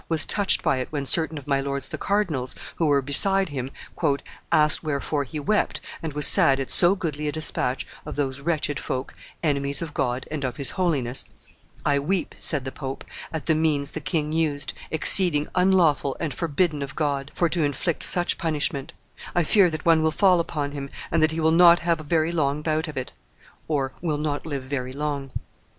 was touched by it when certain of my lords the cardinals who were beside him "asked wherefore he wept and was sad at so goodly a despatch of those wretched folk, enemies of God and of his Holiness: 'I weep,' said the pope, 'at the means the king used, exceeding unlawful and forbidden of God, for to inflict such punishment; I fear that one will fall upon him, and that he will not have a very long bout of it (will not live very long).